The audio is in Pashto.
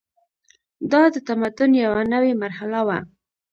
دا د تمدن یوه نوې مرحله وه.